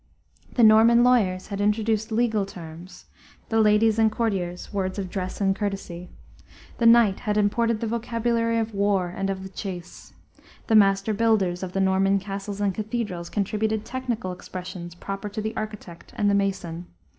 The Norman lawyers had introduced legal terms; the ladies and courtiers, words of dress and courtesy. The knight had imported the vocabulary of war and of the chase. The master builders of the Norman castles and cathedrals contributed technical expressions proper to the architect and the mason.